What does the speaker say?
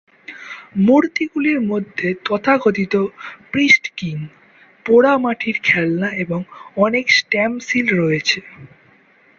মূর্তিগুলির মধ্যে তথাকথিত "প্রিস্ট-কিং", পোড়ামাটির খেলনা এবং অনেক স্ট্যাম্প সিল রয়েছে।